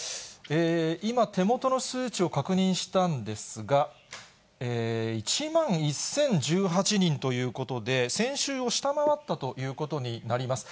今、手元の数値を確認したんですが、１万１０１８人ということで、先週を下回ったということになります。